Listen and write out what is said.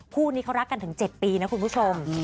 คู่นี้เขารักกันถึง๗ปีนะคุณผู้ชม